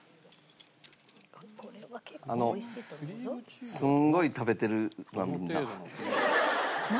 あのすんごい食べてるなみんな。